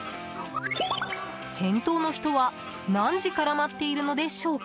先頭の人は何時から待っているのでしょうか。